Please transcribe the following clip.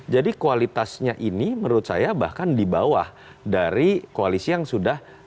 jadi kualitasnya ini menurut saya bahkan di bawah dari koalisi yang sudah